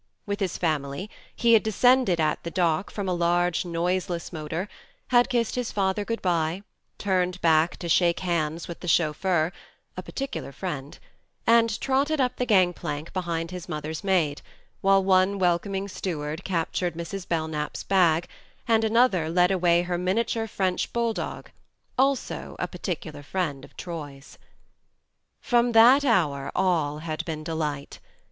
With his family he had descended at the dock from a large noiseless motor, had kissed his father good bye, turned back to shake hands with the chauffeur (a particular friend), andtrotted up the gang plank behind his mother's maid, while one welcoming steward captured Mrs. Belknap's bag, and another led away her miniature French bull dog also a particular friend of Troy's. 4 THE MARNE From that hour all had been delight.